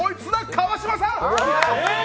川島さん！